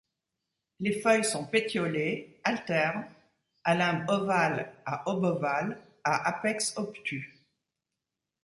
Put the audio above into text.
Les feuilles sont pétiolées, alternes, à limbe ovale à obovale, à apex obtus.